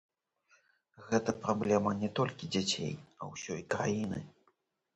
Гэта праблема не толькі дзяцей, а ўсёй краіны.